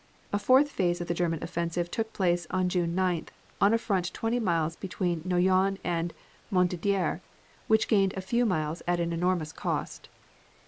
A fourth phase of the German offensive took place on June 9th, on a front of twenty miles between Noyon and Montdidier, which gained a few miles at an enormous cost.